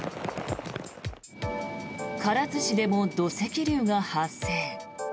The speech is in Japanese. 唐津市でも土石流が発生。